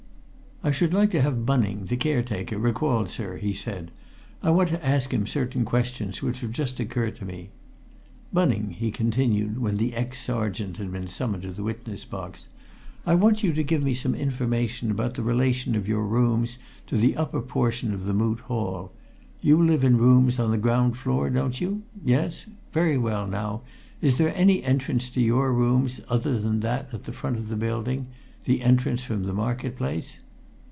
"I should like to have Bunning, the caretaker, recalled, sir," he said. "I want to ask him certain questions which have just occurred to me. Bunning," he continued, when the ex sergeant had been summoned to the witness box, "I want you to give me some information about the relation of your rooms to the upper portion of the Moot Hall. You live in rooms on the ground floor, don't you? Yes? Very well, now, is there any entrance to your rooms other than that at the front of the building the entrance from the market place?"